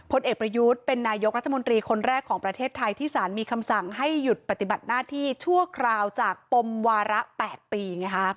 เอกประยุทธ์เป็นนายกรัฐมนตรีคนแรกของประเทศไทยที่สารมีคำสั่งให้หยุดปฏิบัติหน้าที่ชั่วคราวจากปมวาระ๘ปี